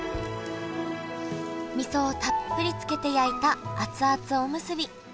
みそをたっぷりつけて焼いた熱々おむすび。